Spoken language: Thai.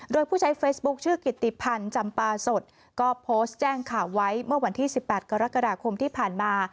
โดยผู้ใช้เฟซบุ๊คชื่อกิติพันธ์จำปาสดก็โพสต์แจ้งข่าวไว้เมื่อวันที่๑๘กรกฎาคมที่ผ่านมา